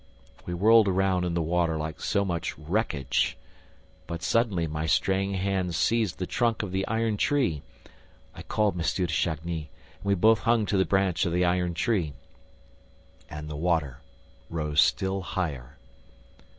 We whirled around in the water like so much wreckage. But, suddenly, my straying hands seized the trunk of the iron tree! I called M. de Chagny, and we both hung to the branch of the iron tree. And the water rose still higher.